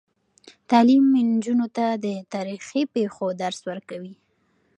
تعلیم نجونو ته د تاریخي پیښو درس ورکوي.